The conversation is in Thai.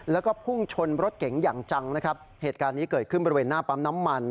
แล้วก็พุ่งชนรถเก๋งอย่างจังนะครับเหตุการณ์นี้เกิดขึ้นบริเวณหน้าปั๊มน้ำมัน